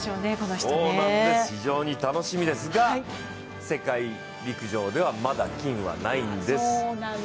非常に楽しみですが、世界陸上ではまだ金はないんです。